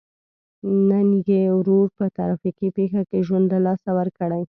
نن یې ورور په ترافیکي پېښه کې ژوند له لاسه ورکړی.